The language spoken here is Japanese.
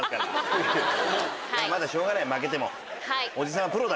しょうがない負けても。